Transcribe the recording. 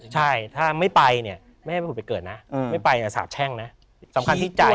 ใช่ถ้าไม่ไปเนี่ยไม่ให้ไปผุดไปเกิดนะไม่ไปสาบแช่งนะสำคัญที่ใจ